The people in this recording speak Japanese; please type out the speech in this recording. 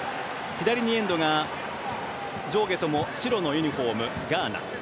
左にエンドが上下とも白のユニフォーム、ガーナ。